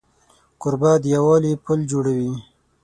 کوربه د یووالي پل جوړوي.